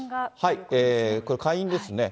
これ、下院ですね。